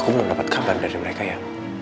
aku belum dapet kabar dari mereka ya